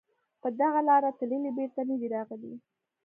په دغه لاره تللي بېرته نه دي راغلي